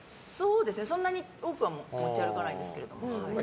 そんなに多くは持ち歩かないですけど。